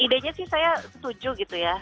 ide nya sih saya setuju gitu ya